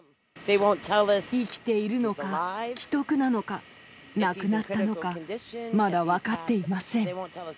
生きているのか危篤なのか、亡くなったのか、まだ分かっていません。